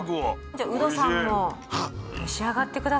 じゃあウドさんも召し上がって下さい。